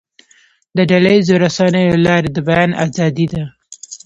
د ډله ییزو رسنیو له لارې د بیان آزادي ده.